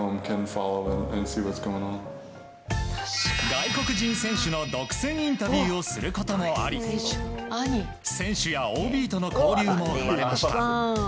外国人選手の独占インタビューをすることもあり選手やＯＢとの交流も生まれました。